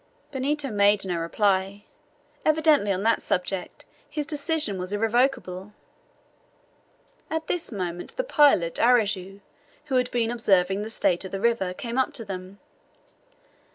Benito made no reply. Evidently on that subject his decision was irrevocable. At this moment the pilot Araujo, who had been observing the state of the river, came up to them.